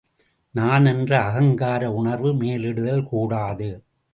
நான் என்ற அகங்கார உணர்வு மேலிடுதல் கூடாது.